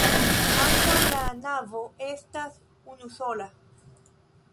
Ankaŭ la navo estas unusola.